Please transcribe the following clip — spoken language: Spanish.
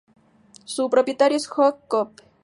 Su propietario es Jochen Kopp.